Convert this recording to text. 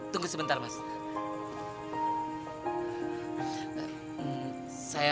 tunggu sebentar mas